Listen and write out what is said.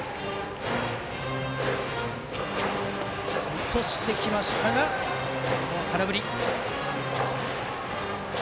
落としてきましたが空振り。